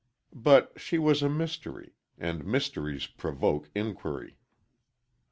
But she was a mystery—and mysteries provoke inquiry.